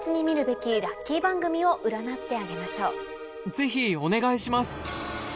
ぜひお願いします